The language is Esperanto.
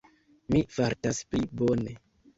Mi fartas pli bone.